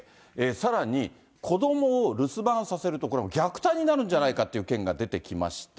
さらに、子どもを留守番させると、これは虐待になるんじゃないかっていう県が出てきました。